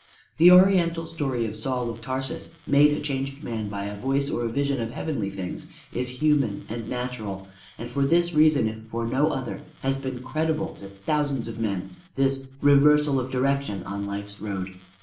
The oriental story of Saul of Tarsus, made a changed man by a voice or a vision of heavenly things, is human and natural, and for this reason if for no other has been credible to thousands of men this reversal of direction on life's road.